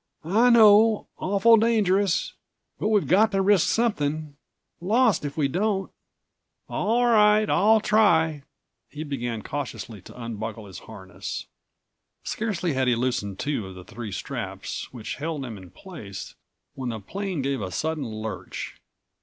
"I know—awful dangerous. But we've got to risk something. Lost if we don't." "All right, I'll try." He began cautiously to unbuckle his harness. Scarcely had he loosened two of the three straps which held him in place when the plane gave a sudden lurch.